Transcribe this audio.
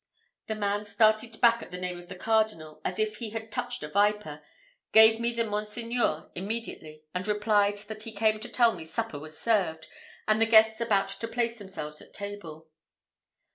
The man started back at the name of the cardinal as if he had touched a viper, gave me the monseigneur immediately, and replied, that he came to tell me supper was served, and the guests about to place themselves at table.